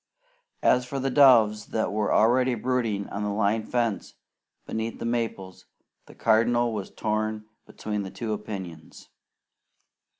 As for the doves that were already brooding on the line fence beneath the maples, the Cardinal was torn between two opinions.